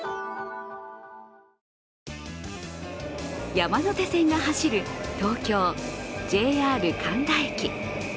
山手線が走る東京・ＪＲ神田駅。